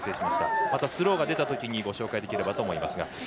またスローが出たときにご紹介できればと思います。